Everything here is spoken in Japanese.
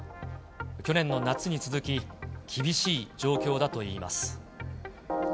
去年の夏に続き、厳しい状況だといいます。